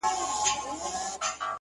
• په بوتلونو شـــــراب ماڅښلي،